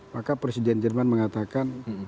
maka presiden jerman mengatakan